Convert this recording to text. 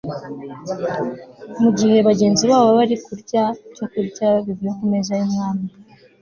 mu gihe bagenzi babo bari kuba barya ku byokurya bivuye ku meza y'umwami